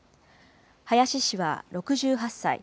林氏は６８歳。